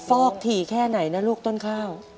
ฟอกถี่แค่ไหนนะลูกต้นข้าว